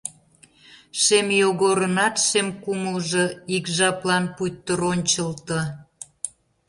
Шем Йогорынат шем кумылжо Ик жаплан пуйто рончылто.